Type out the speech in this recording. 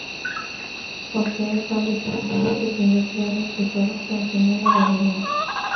Posee fábricas de tintes industriales, y producción primaria de alimentos.